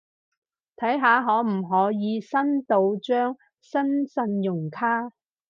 睇下可唔可以申到張新信用卡